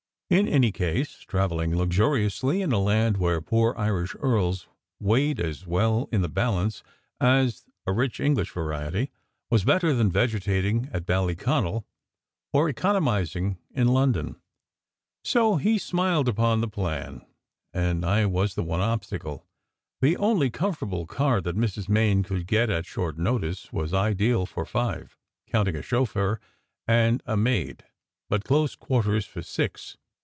In any case, travelling luxuriously in a land where poor Irish earls weighed as well in the balance as a rich English variety, was better than vegetating at Ballyconal or economiz ing in London; so he smiled upon the plan, and I was the one obstacle. The only comfortable car that Mrs. Main could get at short notice, was ideal for five, counting a chauffeur and a maid, but close quarters for six.